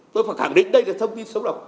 tôi phải khẳng định đây là thông tin xấu độc